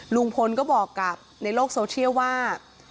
ลุงพลก็บอกกับในโลกโซเชียลว่า